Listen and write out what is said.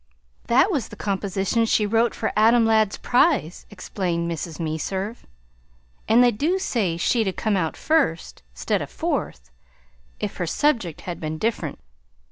"That was the composition she wrote for Adam Ladd's prize," explained Mrs. Meserve, "and they do say she'd 'a' come out first, 'stead o' fourth, if her subject had been dif'rent.